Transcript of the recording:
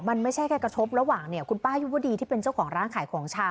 มันไม่ใช่แค่กระทบระหว่างเนี่ยคุณป้ายุวดีที่เป็นเจ้าของร้านขายของชา